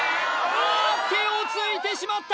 あーっ手をついてしまった！